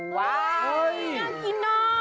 ว้าวน่ากินน่ะ